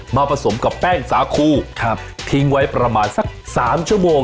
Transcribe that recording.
ผสมกับแป้งสาคูทิ้งไว้ประมาณสัก๓ชั่วโมง